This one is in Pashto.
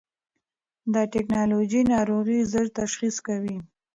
دا ټېکنالوژي ناروغي ژر تشخیص کوي.